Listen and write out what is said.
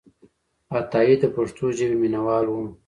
عطایي د پښتو ژبې مینهوال و.